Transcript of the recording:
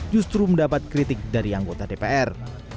justru mendapat kritik dari anggota dpr